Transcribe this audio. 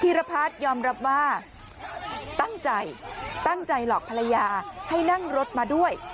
รพัฒน์ยอมรับว่าตั้งใจตั้งใจหลอกภรรยาให้นั่งรถมาด้วย